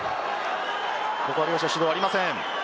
ここは両者指導はありません。